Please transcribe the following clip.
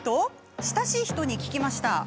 親しい人に聞きました。